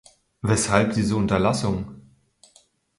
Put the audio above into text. Weshalb diese Unterlassung?